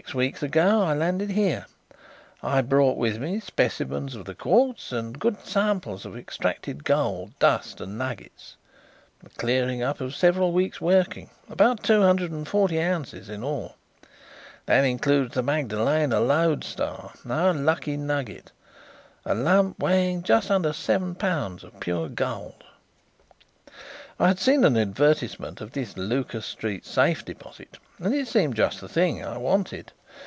Six weeks ago I landed here. I brought with me specimens of the quartz and good samples of extracted gold, dust and nuggets, the clearing up of several weeks' working, about two hundred and forty ounces in all. That includes the Magdalena Lodestar, our lucky nugget, a lump weighing just under seven pounds of pure gold. "I had seen an advertisement of this Lucas Street safe deposit and it seemed just the thing I wanted.